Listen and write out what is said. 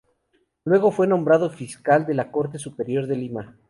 Luego fue nombrado fiscal de la Corte Superior de Lima.